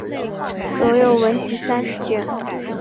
着有文集三十卷。